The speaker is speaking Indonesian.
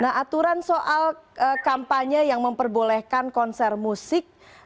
nah aturan soal kampanye yang memperbolehkan konser musik